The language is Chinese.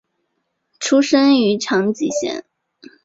出身于长崎县。